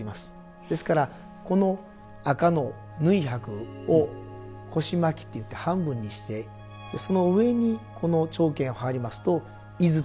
ですからこの紅の縫箔を腰巻っていって半分にしてその上にこの長絹を羽織りますと「井筒」の後